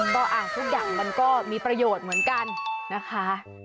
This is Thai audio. ก็ทุกอย่างมันก็มีประโยชน์เหมือนกันนะคะ